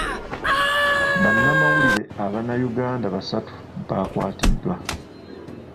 Bannamawulire Abannayuganda basatu bakwatiddwa.